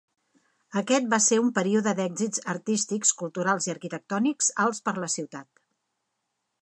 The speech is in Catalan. Aquest va ser un període d'èxits artístics, culturals i arquitectònics alts per a la ciutat.